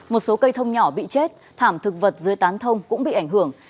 một số cây thông nhỏ bị chết thảm thực vật dưới tán thông cũng bị ảnh hưởng